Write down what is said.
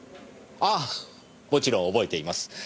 ああもちろん覚えています。